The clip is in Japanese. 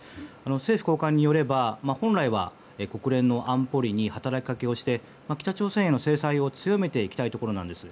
政府高官によれば本来は国連の安保理に働きかけをして北朝鮮への制裁を強めていきたいところです。